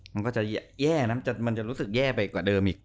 มันก็จะแย่นะมันจะรู้สึกแย่ไปกว่าเดิมอีก